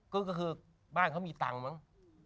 ก็คือบ้านเขามีตังค์มั้ง